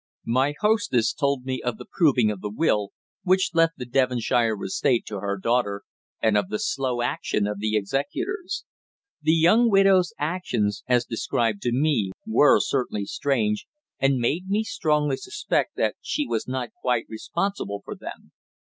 My hostess told me of the proving of the will, which left the Devonshire estate to her daughter, and of the slow action of the executors. The young widow's actions, as described to me, were certainly strange, and made me strongly suspect that she was not quite responsible for them.